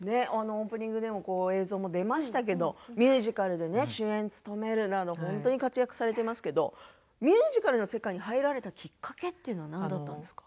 オープニングでも映像が出ましたけれどミュージカルで主演を務めるなど本当に活躍をされていますけれどミュージカルの世界に入られたきっかけは何だったんですか。